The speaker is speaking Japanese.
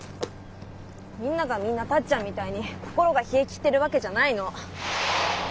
みんながみんなタッちゃんみたいに心が冷えきってるわけじゃないの。